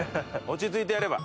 落ち着いてやれば。